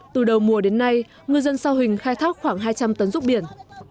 từ đầu mùa đến nay ngư dân sa huỳnh khai thác khoảng hai trăm linh tấn ruốc biển